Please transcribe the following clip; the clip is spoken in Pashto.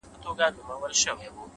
هره تجربه د شخصیت بڼه بدلوي,